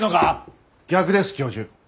逆です教授。